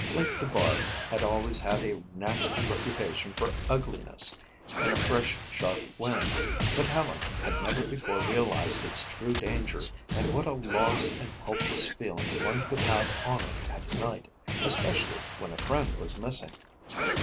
Lake Dubar had always had a nasty reputation for ugliness in a fresh, sharp wind but Helen had never before realized its true danger and what a lost and helpless feeling one could have on it at night, especially when a friend was missing.